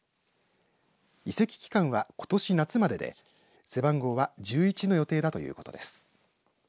移籍期間はことし夏までで背番号は１１の予定だということです。